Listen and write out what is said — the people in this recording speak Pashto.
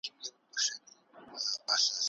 باران ته ناڅم